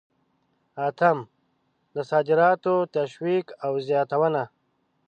اتم: د صادراتو تشویق او زیاتونه.